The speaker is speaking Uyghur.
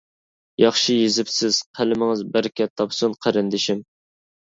ياخشى يېزىپسىز، قەلىمىڭىز بەرىكەت تاپسۇن قېرىندىشىم!